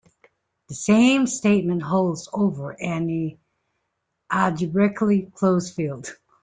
The same statement holds over any algebraically closed field.